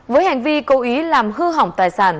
với hành vi cố ý làm hư hỏng tài sản